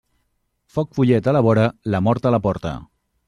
Foc follet a la vora, la mort a la porta.